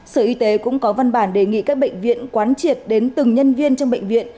sở y tế cũng có văn bản đề nghị các bệnh viện quán triệt đến từng nhân viên trong bệnh viện